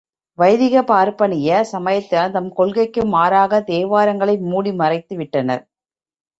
வைதீக பார்ப்பனிய சமயத்தினர் தம் கொள்கைக்கு மாறாகிய தேவாரங்களை மூடி மறைத்து விட்டனர்.